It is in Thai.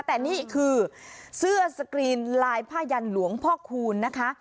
แต่นี่คือเสื้อสกรีนลายผ้ายันหลวงพ่อคูณนะคะ